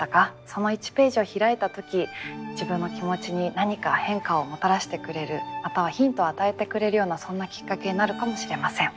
その１ページを開いた時自分の気持ちに何か変化をもたらせてくれるまたはヒントを与えてくれるようなそんなきっかけになるかもしれません。